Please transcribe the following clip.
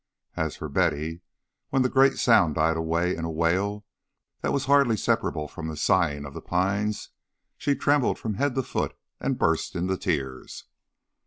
As for Betty, when the great sound died away in a wail that was hardly separable from the sighing of the pines, she trembled from head to foot and burst into tears.